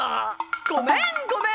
ごめんごめん。